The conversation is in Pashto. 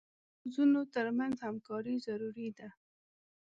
د پوځونو تر منځ همکاري ضروري ده.